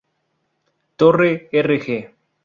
Torre Rg.